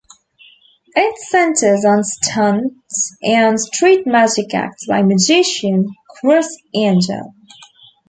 It centers on stunts and street magic acts by magician Criss Angel.